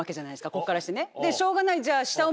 こっからしてね。